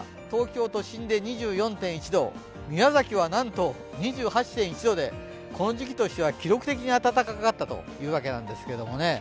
東京都心で２４．１度宮崎はなんと２８．１度でこの時期としては記録的に暖かかったということなんです。